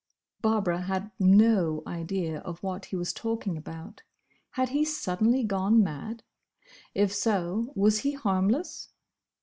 Barbara had no idea of what he was talking about. Had he suddenly gone mad? If so, was he harmless?